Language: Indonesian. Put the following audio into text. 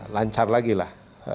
lancar lagi lah